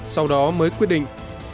sau đó mới quyết định